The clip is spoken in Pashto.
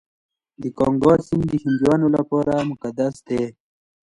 د ګنګا سیند د هندیانو لپاره مقدس دی.